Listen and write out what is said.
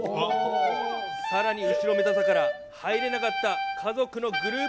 さらに、後ろめたさから入れなかった家族のグループ